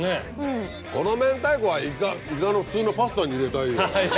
この明太子はイカの普通のパスタに入れたいよ。